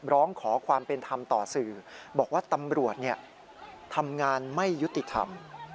ร้องขอความเป็นธรรมต่อสื่อบอกว่าตำรวจทำงานไม่ยุติธรรม